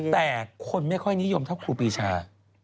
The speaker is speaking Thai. แต่คนไม่ค่อยนิยมเท่าครูปีชา